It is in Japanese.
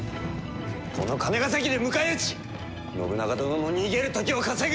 この金ヶ崎で迎え撃ち信長殿の逃げる時を稼ぐ！